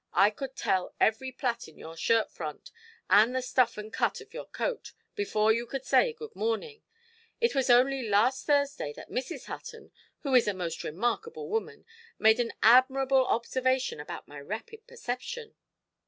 I could tell every plait in your shirt–front, and the stuff and cut of your coat, before you could say 'good morning'. It was only last Thursday that Mrs. Hutton, who is a most remarkable woman, made an admirable observation about my rapid perception".